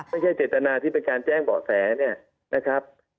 ไม่ใช่เจตนาที่เป็นการแจ้งเบาะแสเนี่ยนะครับ